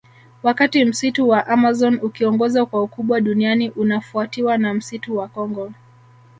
Wakati Msitu wa Amazon ukiongoza kwa ukubwa duniani unafuatiwa na msitu wa Kongo